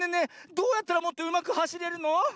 どうやったらもっとうまくはしれるの？